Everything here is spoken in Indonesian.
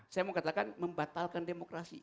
saya mau katakan membatalkan demokrasi